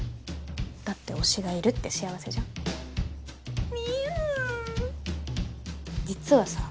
だって推しがいるって幸せじゃん美結実はさ